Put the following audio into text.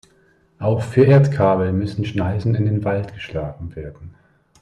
Auch für Erdkabel müssen Schneisen in den Wald geschlagen werden.